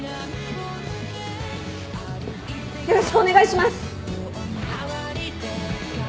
よろしくお願いします！